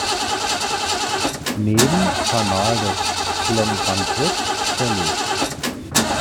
Neben-Kanal des Khlong Rangsit verlegt.